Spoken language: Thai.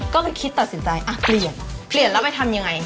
ก็เลยคิดตัดสินใจอ่ะเปลี่ยนเปลี่ยนแล้วไปทำยังไง